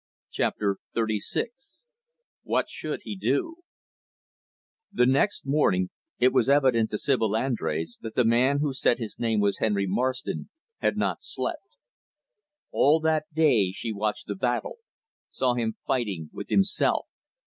Chapter XXXVI What Should He Do The next morning, it was evident to Sibyl Andrés that the man who said his name was Henry Marston had not slept. All that day, she watched the battle saw him fighting with himself.